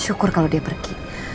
syukur kalau dia pergi